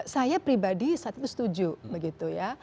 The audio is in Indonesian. saya pribadi saat itu setuju begitu ya